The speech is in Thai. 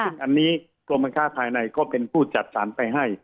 ซึ่งอันนี้กรมการค้าภายในก็เป็นผู้จัดสรรไปให้